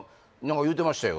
何か言うてました？